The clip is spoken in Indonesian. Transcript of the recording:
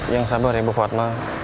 yang sabar ya bu fatma